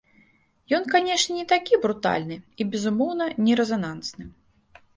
Ён, канешне, не такі брутальны і, безумоўна, не рэзанансны.